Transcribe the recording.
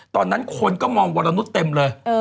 ตอนนั้นคนก็มองวรนุษย์เต็มเลย